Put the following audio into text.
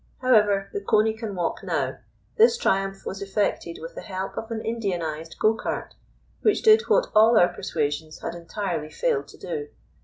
However, the Coney can walk now. This triumph was effected with the help of an Indianised go cart, which did what all our persuasions had entirely failed to do.